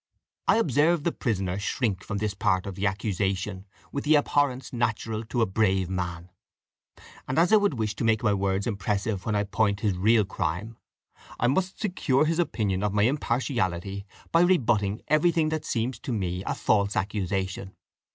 I observed the prisoner shrink from this part of the accusation with the abhorrence natural to a brave man; and as I would wish to make my words impressive when I point his real crime, I must secure his opinion of my impartiality by rebutting everything that seems to me a false accusation.